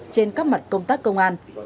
trên các mặt công tác công an